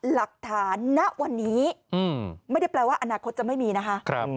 ณวันนี้ไม่ได้แปลว่าอนาคตจะไม่มีนะคะ